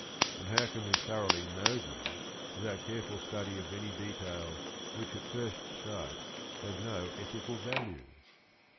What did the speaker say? and how can we thoroughly know them without careful study of many de tails which at first sight have no ethical value